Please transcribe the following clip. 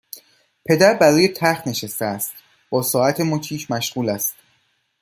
پدر بروی تخت نشسته است با ساعت مچیش مشغول است